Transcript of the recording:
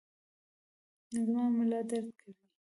زما ملا درد کوي